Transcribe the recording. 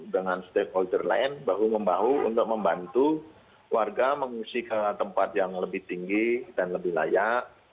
dengan stakeholder lain bahu membahu untuk membantu warga mengungsi ke tempat yang lebih tinggi dan lebih layak